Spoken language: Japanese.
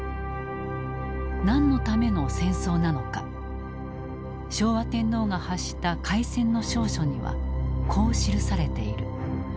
何のための戦争なのか昭和天皇が発した開戦の詔書にはこう記されている。